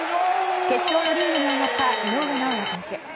決勝のリングに上がった井上尚弥選手。